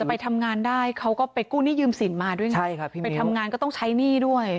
ไปทำงานก็ต้องใช้หนี้ด้วย